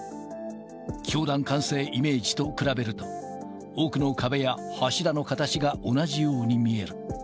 教団完成イメージと比べると、奥の壁や柱の形が同じように見える。